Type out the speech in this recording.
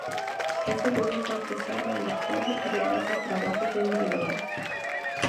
Él es el único artesano en le pueblo que realiza trabajos individuales.